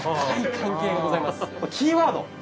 キーワード